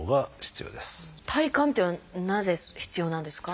体幹っていうのはなぜ必要なんですか？